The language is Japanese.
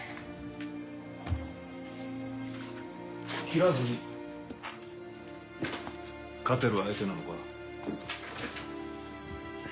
斬らずに勝てる相手なのか？